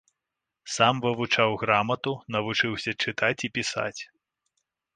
Сам вывучыў грамату, навучыўся чытаць і пісаць.